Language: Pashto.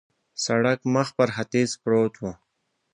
سړک مخ پر ختیځ پروت و.